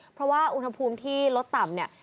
เพราะว่าอุณหภูมิที่ลดต่ำเนี่ย